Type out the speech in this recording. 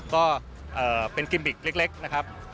ก็เป็นกิมบิกเล็กนะครับ